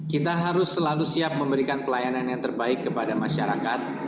kita harus selalu siap memberikan pelayanan yang terbaik kepada masyarakat